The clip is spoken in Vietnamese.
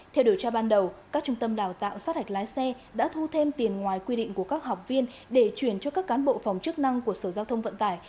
theo điều tra ban đầu các trung tâm đào tạo sát hạch lái xe đã thu thêm tiền ngoài quy định của các học viên để chuyển cho các cán bộ phòng chức năng của sở giao thông vận tải